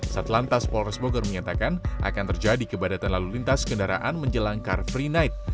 satlantas polres bogor menyatakan akan terjadi kepadatan lalu lintas kendaraan menjelang car free night